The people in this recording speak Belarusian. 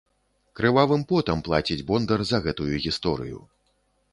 Крывавым потам плаціць бондар за гэтую гісторыю.